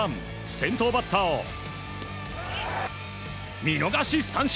先頭バッターを見逃し三振。